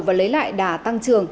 và lấy lại đà tăng trưởng